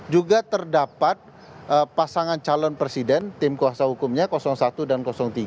juga terdapat pasangan calon presiden tim kuasa hukumnya satu dan tiga